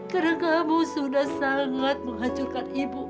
karena kamu sudah sangat menghancurkan ibu